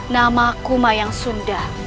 namaku mayang sunda